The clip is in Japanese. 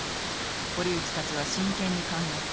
堀内たちは真剣に考えた。